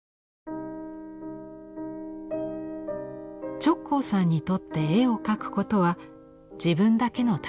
直行さんにとって絵を描くことは自分だけの楽しみ。